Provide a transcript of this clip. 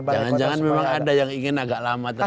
jangan jangan memang ada yang ingin agak lama tadi